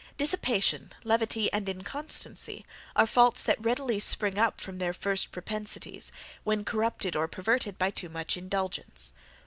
Dissipation, levity, and inconstancy, are faults that readily spring up from their first propensities, when corrupted or perverted by too much indulgence.